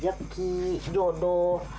pasal ada jebki jodoh